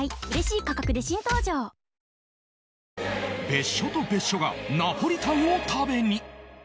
別所と別所がナポリタンを食べに！